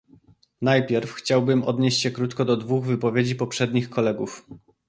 Najpierw chciałbym odnieść się krótko do dwóch wypowiedzi poprzednich kolegów